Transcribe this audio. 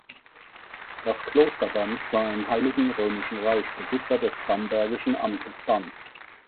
Das Kloster Banz war im Heiligen Römischen Reich Besitzer des Bambergischen Amtes Banz.